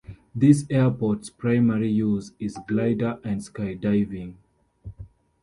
This airport's primary use is glider and skydiving.